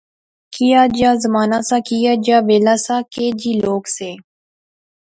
کیا جا زمانہ سا، کیا جا ویلا سا، کے جے لوک سے